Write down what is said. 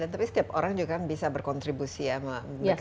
tapi setiap orang juga kan bisa berkontribusi ya